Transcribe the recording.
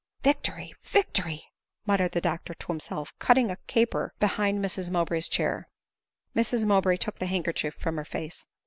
"Victory, victory !" muttered the doctor to himself, cutting a caper behind Mrs Mowbray's chair. Mrs Mowbray took the handkerchief from her face.